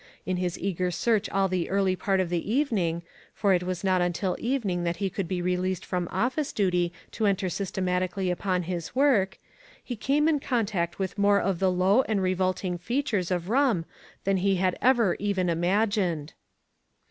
In his eager search all the early part of the evening — for it was not until evening that he could be released from office duty to enter systematically upon his work — he came in contact with more of the low and revolting features of rum han he had ever even imagined.